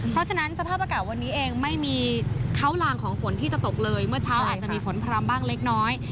เพราะฉะนั้นสภาพอากาศวันนี้เองไม่มีเขาลางของฝนที่จะตกเลยเมื่อเช้าอาจจะมีฝนพร่ำบ้างเล็กน้อย